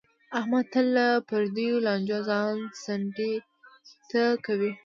احمد تل له پردیو لانجو ځان څنډې ته کوي.